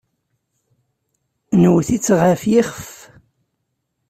Nwet-itt ɣer yiɣef.